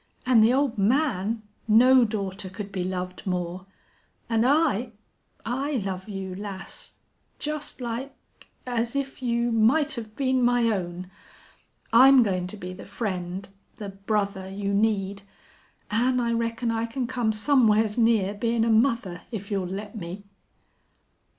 An' the old man no daughter could be loved more.... An' I I love you, lass, just like as if you might have been my own. I'm goin' to be the friend the brother you need. An' I reckon I can come somewheres near bein' a mother, if you'll let me."